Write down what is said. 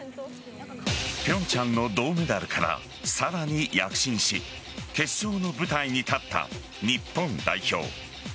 平昌の銅メダルからさらに躍進し決勝の舞台に立った日本代表。